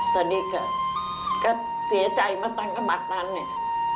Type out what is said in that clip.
ตอนนี้ก็เสียใจมาตั้งในบัตรเนี่ย